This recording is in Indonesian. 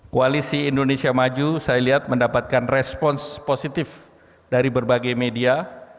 koalisi indonesia maju saya lihat mendapatkan respons positif dari berbagai media